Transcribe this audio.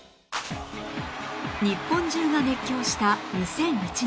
日本中が熱狂した２００１年